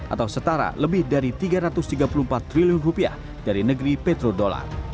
atau setara lebih dari tiga ratus tiga puluh empat triliun rupiah dari negeri petrodolar